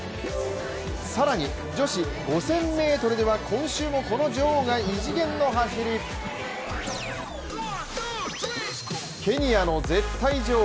更に女子５０００ｍでは今週もこの女王が異次元の走り、ケニアの絶対女王。